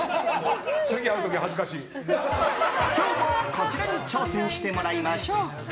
こちらに挑戦してもらいましょう。